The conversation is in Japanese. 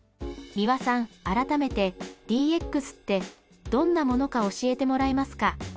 三輪さん、改めてＤＸってどんなものか教えてもらえますか？